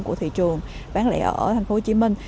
của thị trường bán lẻ ở thành phố hồ chí minh